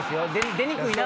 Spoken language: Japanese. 出にくいな！